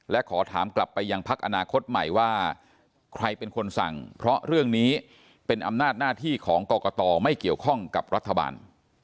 และขอถามกลับไปยังพักอนาคตใหม่ว่าใครเป็นคนสั่งเพราะเรื่องนี้เป็นอำนาจหน้าที่ของกรกตไม่เกี่ยวข้องกับรัฐบาล